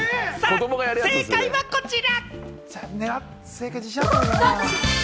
正解はこちら。